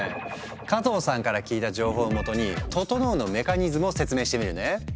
加藤さんから聞いた情報をもとに「ととのう」のメカニズムを説明してみるね。